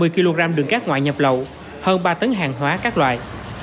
một mươi sáu bốn trăm hai mươi kg đường cát ngoại nhập lậu hơn ba tấn hàng hóa các loại